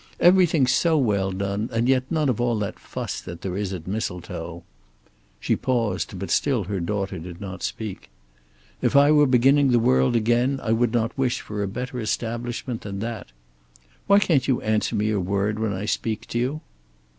"Everything so well done, and yet none of all that fuss that there is at Mistletoe." She paused but still her daughter did not speak. "If I were beginning the world again I would not wish for a better establishment than that. Why can't you answer me a word when I speak to you?"